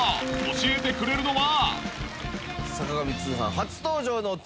教えてくれるのは？